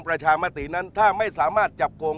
ประชามตินั้นถ้าไม่สามารถจับกลุ่ม